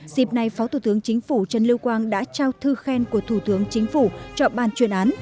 dịp này phó thủ tướng chính phủ trần lưu quang đã trao thư khen của thủ tướng chính phủ cho ban chuyên án